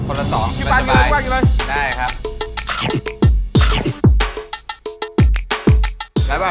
คนละ๒เป็นสบายได้ครับ